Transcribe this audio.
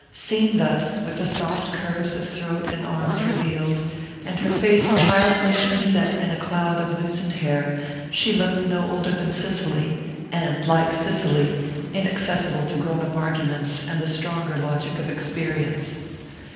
Seen thus, with the soft curves of throat and arms revealed, and her face childishly set in a cloud of loosened hair, she looked no older than Cicely and, like Cicely, inaccessible to grown up arguments and the stronger logic of experience.